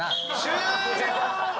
終了！